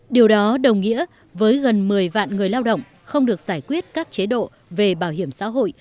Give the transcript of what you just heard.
điều đó đồng nghĩa với gần một mươi vạn người lao động không được giải quyết các chế độ về bảo hiểm xã hội